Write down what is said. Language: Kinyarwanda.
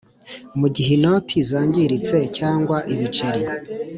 Mu gihe inoti zangiritse cyangwa ibiceri